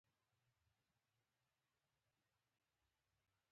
ډيپلومات له فرهنګي فعالیتونو ملاتړ کوي.